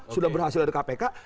sudah berhasil dari kpk